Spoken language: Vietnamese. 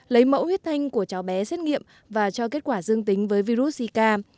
lấy mẫu huyết thanh của cháu bé xét nghiệm và cho kết quả dương tính với virus zika